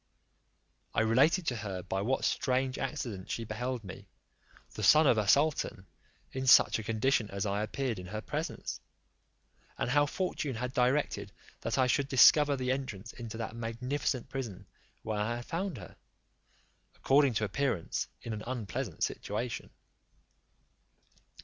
I related to her by what strange accident she beheld me, the son of a sultan, in such a condition as I appeared in her presence; and how fortune had directed that I should discover the entrance into that magnificent prison where I had found her, according to appearance, in an unpleasant situation.